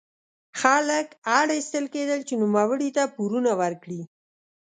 خلک اړ ایستل کېدل چې نوموړي ته پورونه ورکړي.